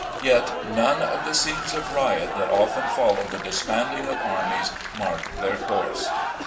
Yet none of the scenes of riot that often follow the disbanding of armies marked their course."